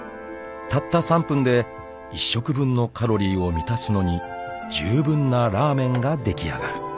［たった３分で１食分のカロリーを満たすのに十分なラーメンが出来上がる］